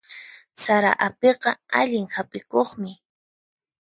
Sara apiqa allin hap'ikuqmi.